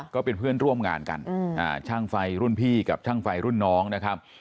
ก็เป็นเพื่อนร่วมงานกันช่างไฟรุ่นพี่กับช่างไฟรุ่นน้องนะครับ